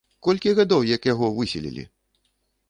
Колькі гадоў як яго выселілі?